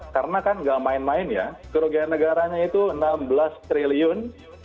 karena kan gak main main ya kerugian negaranya itu enam belas triliun